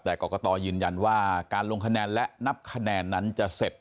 แต่กรกตยืนยันว่าการลงคะแนนและนับคะแนนนั้นจะเสร็จ